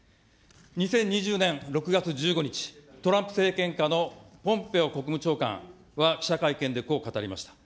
２０２０年６月１５日、トランプ政権下のポンペオ国務長官は記者会見でこう語りました。